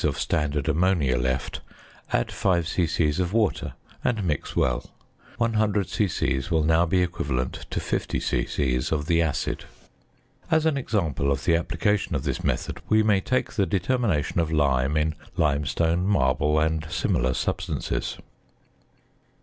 of standard "ammonia" left, add 5 c.c. of water, and mix well. 100 c.c. will now be equivalent to 50 c.c. of the "acid." As an example of the application of this method, we may take the determination of lime in limestone, marble, and similar substances.